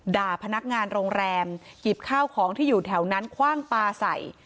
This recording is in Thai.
ด่าพนักงานโรงแรมหยิบข้าวของที่อยู่แถวนั้นคว่างปลาใส่